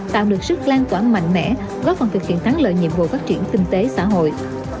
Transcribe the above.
tạo được sức lan tỏa mạnh mẽ góp phần thực hiện thắng lợi nhiệm vụ phát triển kinh tế xã hội